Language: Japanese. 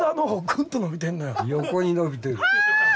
横に伸びてる。